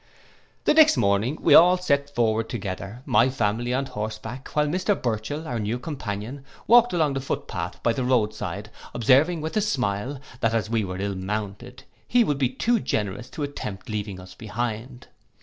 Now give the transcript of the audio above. The next morning we all set forward together: my family on horseback, while Mr Burchell, our new companion, walked along the foot path by the road side, observing, with a smile, that as we were ill mounted, he would be too generous to attempt leaving us behind.